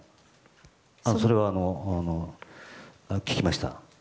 それは聞きました。